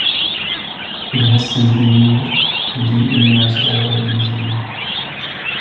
It has since been moved to the Illinois Railway Museum.